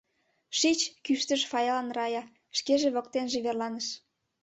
— Шич! — кӱштыш Фаялан Рая, шкеже воктеныже верланыш.